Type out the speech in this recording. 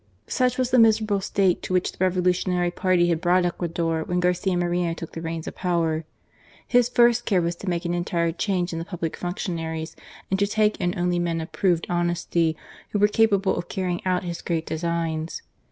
Such was the miserable state to which the revo lutionary party had brought Ecuador when Garcia Moreno took the reins of power. His first care was to make an entire change in the pubHc functionaries, and to take in only men of proved honesty who were capable of carrying out his great designs.